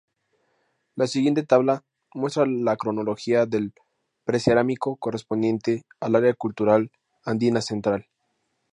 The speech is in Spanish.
La siguiente tabla muestra la cronología del Precerámico correspondiente al área cultural andina central.